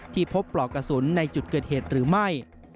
พบปลอกกระสุนในจุดเกิดเหตุหรือไม่